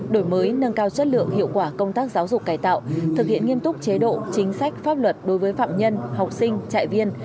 đổi mới nâng cao chất lượng hiệu quả công tác giáo dục cải tạo thực hiện nghiêm túc chế độ chính sách pháp luật đối với phạm nhân học sinh trại viên